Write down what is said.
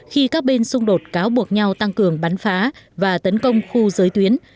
khi các bên xung đột cáo buộc nhau tăng cường bắn phá và tấn công khu giới tuyến